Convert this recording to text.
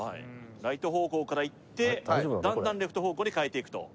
ライト方向からいってだんだんレフト方向に変えていくと？